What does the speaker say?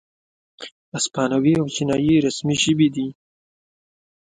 اسپانوي او چینایي رسمي ژبې دي.